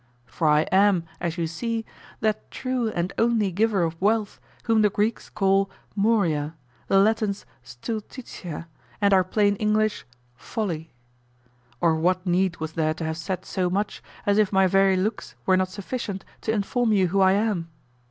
For I am, as you see, that true and only giver of wealth whom the Greeks call Moria, the Latins Stultitia, and our plain English Folly. Or what need was there to have said so much, as if my very looks were not sufficient to inform you who I am?